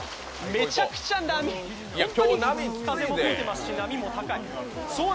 めちゃくちゃ波風も吹いていますし、波も高い。